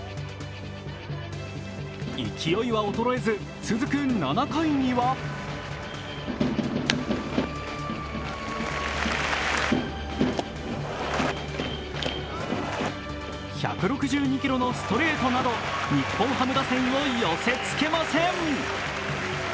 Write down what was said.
勢いは衰えず、続く７回には１６２キロのストレートなど日本ハム打線を寄せつけません。